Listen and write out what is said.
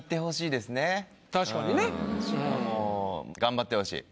確かにね。頑張ってほしい。